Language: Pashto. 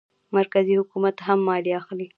مرکزي حکومت هم مالیه اخلي.